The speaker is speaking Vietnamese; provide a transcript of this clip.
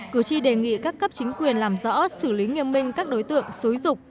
cử tri đề nghị các cấp chính quyền làm rõ xử lý nghiêm minh các đối tượng xúi dục